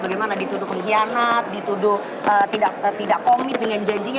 bagaimana dituduh pengkhianat dituduh tidak komit dengan janjinya